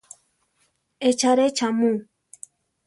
¿Echáre cha mu?